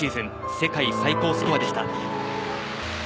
世界最高スコアでした。